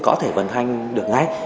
có thể vận hành được ngay